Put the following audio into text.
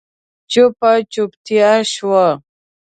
چوپه چوپتيا شوه.